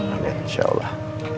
oke insya allah